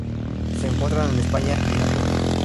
Se encuentra en España y en Argelia.